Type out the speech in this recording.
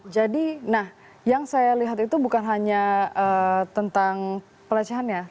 jadi nah yang saya lihat itu bukan hanya tentang pelecehannya